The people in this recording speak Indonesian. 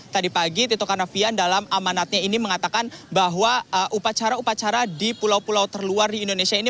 tadi pagi tito karnavian dalam amanatnya ini mengatakan bahwa upacara upacara di pulau pulau terluar di indonesia ini